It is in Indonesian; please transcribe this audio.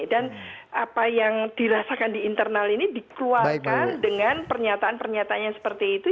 dan apa yang dirasakan di internal ini dikeluarkan dengan pernyataan pernyataan yang seperti itu